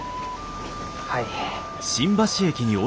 はい。